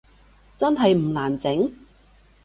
真係唔難整？